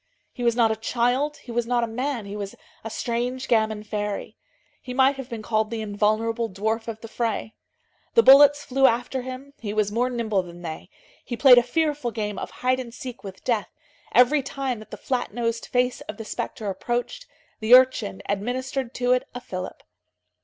He was not a child, he was not a man; he was a strange gamin fairy. He might have been called the invulnerable dwarf of the fray. The bullets flew after him, he was more nimble than they. He played a fearful game of hide and seek with death; every time that the flat nosed face of the spectre approached, the urchin administered to it a fillip.